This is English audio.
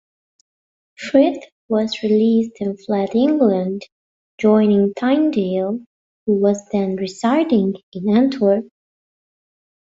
Frith was released and fled England, joining Tyndale who was then residing in Antwerp.